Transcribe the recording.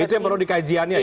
itu yang perlu dikajiannya